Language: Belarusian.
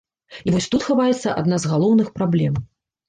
І вось тут хаваецца адна з галоўных праблем.